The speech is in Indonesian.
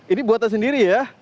ini buatan sendiri ya